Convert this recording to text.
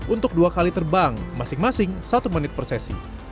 untuk dua kali terbang masing masing satu menit per sesi